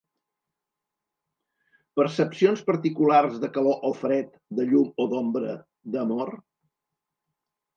Percepcions particulars de calor o fred, de llum o d'ombra, d'amor?